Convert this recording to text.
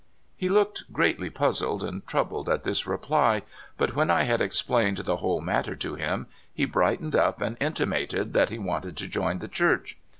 He looked greatly puzzled and troubled at this reply, but when I had explained the whole matter to him he brightened up and intimated that he wanted to join the Church.